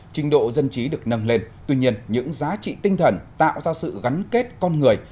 trình độ dân trí được nâng lên tuy nhiên những giá trị tinh thần tạo ra sự gắn kết con người